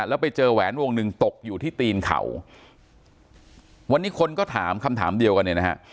แล้วไปเจอแหวนวงหนึ่งตกอยู่ที่ตีนเขาวันนี้คนก็ถามคำถามเดียวกันเนี่ยนะฮะ